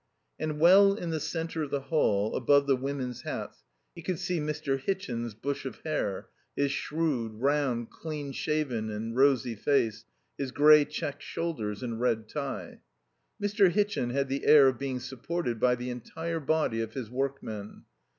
And well in the centre of the hall, above the women's hats, he could see Mr. Hitchin's bush of hair, his shrewd, round, clean shaven and rosy face, his grey check shoulders and red tie. Mr. Hitchin had the air of being supported by the entire body of his workmen.